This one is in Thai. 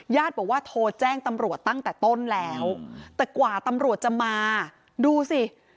บอกว่าโทรแจ้งตำรวจตั้งแต่ต้นแล้วแต่กว่าตำรวจจะมาดูสิ